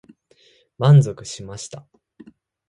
満足しました。